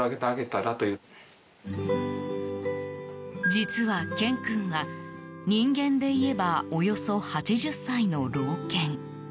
実はケン君は、人間でいえばおよそ８０歳の老犬。